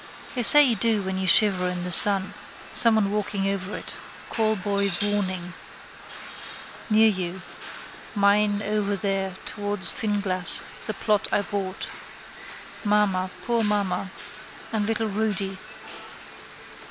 They say you do when you shiver in the sun. Someone walking over it. Callboy's warning. Near you. Mine over there towards Finglas, the plot I bought. Mamma, poor mamma, and little Rudy.